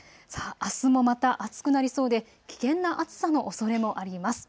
あすもまた暑くなりそうで危険な暑さのおそれもあります。